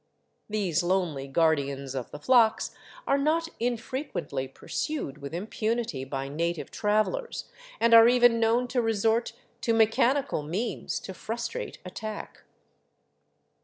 These lonely guardians of the flocks are not infrequently pursued with impunity by native travelers, and are even known to resort to mechanical means to frustrate attack.